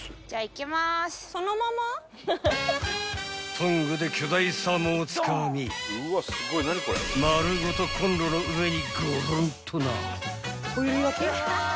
［トングで巨大サーモンをつかみ丸ごとコンロの上にごろんとな］